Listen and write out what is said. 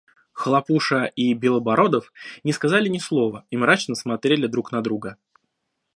Хлопуша и Белобородов не сказали ни слова и мрачно смотрели друг на друга.